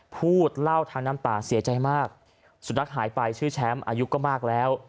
พูดเล่าทางน้ำตาเสียใจมากสุนัขหายไปชื่อแชมป์อายุก็มากแล้ว